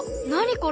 これ！